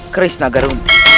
keris naga runtik